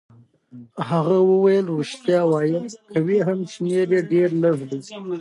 هغه وویل: ریښتیا وایم، که وي هم شمېر يې ډېر لږ دی.